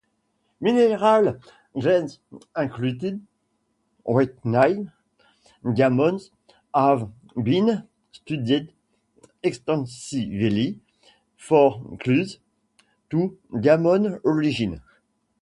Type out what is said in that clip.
Mineral grains included within diamonds have been studied extensively for clues to diamond origin.